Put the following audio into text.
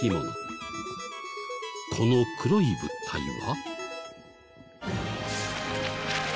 この黒い物体は。